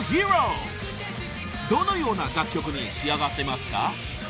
［どのような楽曲に仕上がってますか？］